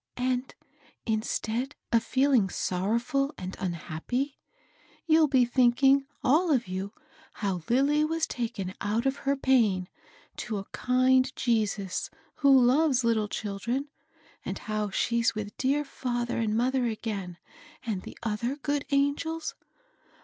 And instead of feeling sorrow&l and unhappy, you'll be thinking all of you how Lilly was taken out of her pain to a kind Jesus who loves little children ; and how she's with dear &ther and mother again and the other good angels?